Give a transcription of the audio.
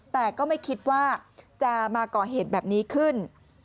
แต่ก็ไม่คิดว่าจะมาก่อเหตุแบบนี้ขึ้น